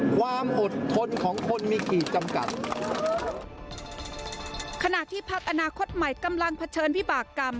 ความอดทนของคนมีกี่จำกัดขณะที่พักอนาคตใหม่กำลังเผชิญวิบากรรม